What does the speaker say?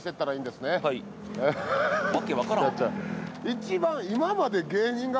一番。